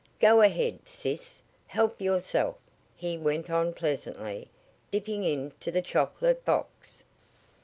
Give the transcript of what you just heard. Go ahead, sis. Help yourself," he went on pleasantly, dipping into the chocolate box.